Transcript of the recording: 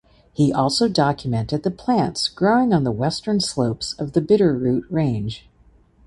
He also documented the plants growing on the western slopes of the Bitterroot Range.